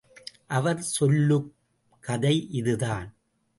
அவர் சொல்லும் கதை இதுதான்.